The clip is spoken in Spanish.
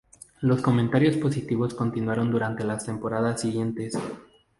Los comentarios positivos continuaron durante las temporadas siguientes.